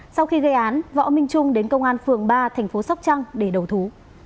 sau khi gây án võ minh trung đến công an phường ba thành phố sóc trăng để đầu thú